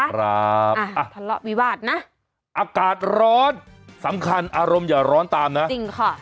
ครับอ่ะทะเลาะวิวาสนะอากาศร้อนสำคัญอารมณ์อย่าร้อนตามนะจริงค่ะ